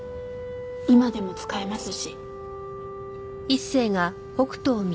今でも使えますし。